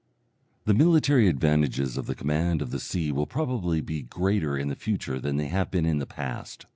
The military advantages of the command of the sea will probably be greater in the future than they have been in the past.